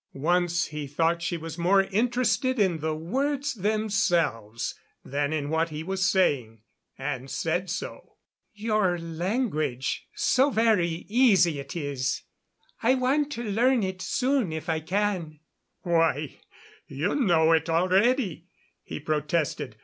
Once he thought she was more interested in the words themselves than in what he was saying, and said so. "Your language so very easy it is. I want to learn it soon if I can." "Why, you know it already," he protested.